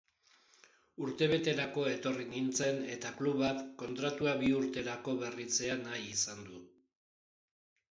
Urtebeterako etorri nintzen eta klubak kontratua bi urterako berritzea nahi izan du.